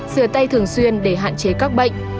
rửa tay thường xuyên để hạn chế các bệnh